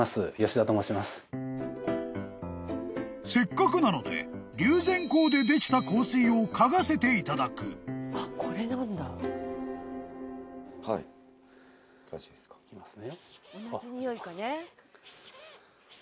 ［せっかくなので竜涎香でできた香水を嗅がせていただく］いきますね。